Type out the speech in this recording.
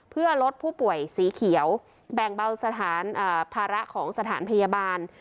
เพื่อลดผู้ป่วยสีเขียวแบ่งเบาสถานภาระของสถานพยาบาล